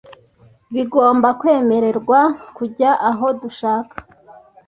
bigomba kwemererwa kujya aho dushaka .